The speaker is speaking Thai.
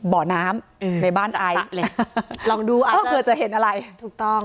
เบาะน้ำอืมในบ้านไอลองดูเกือบจะเห็นอะไรถูกต้อง